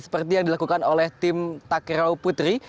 seperti yang dilakukan oleh tim takraw putri